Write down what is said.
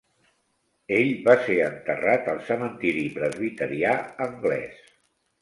Ell va ser enterrat al Cementiri Presbiterià Anglès.